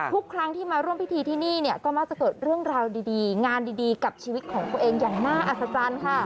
ทุกครั้งที่มาร่วมพิธีที่นี่เนี่ยก็มักจะเกิดเรื่องราวดีงานดีกับชีวิตของตัวเองอย่างน่าอัศจรรย์ค่ะ